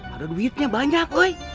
ada duitnya banyak